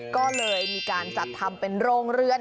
ก็เลยมีการจัดทำเป็นโรงเรือน